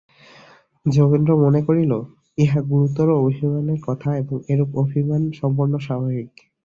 যোগেন্দ্র মনে করিল, ইহা গুরুতর অভিমানের কথা এবং এরূপ অভিমান সম্পূর্ণ স্বাভাবিক।